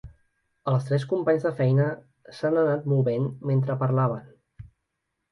Els tres companys de feina s'han anat movent mentre parlaven.